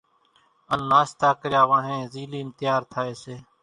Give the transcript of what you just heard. ان ناشتا ڪريا وانھين زيلين تيار ٿائي سي۔